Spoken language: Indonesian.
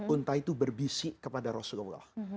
unta itu berbisik kepada rasulullah